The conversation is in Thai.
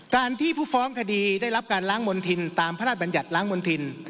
การที่ผู้ฟ้องคดีได้รับการล้างมณฑินตามพระราชบัญญัติล้างมณฑิน